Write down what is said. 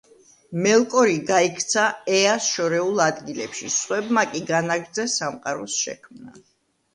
მელკორი გაიქცა ეას შორეულ ადგილებში, სხვებმა კი განაგრძეს სამყაროს შექმნა.